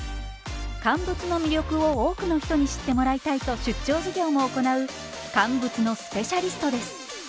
乾物の魅力を多くの人に知ってもらいたいと出張授業も行う乾物のスペシャリストです。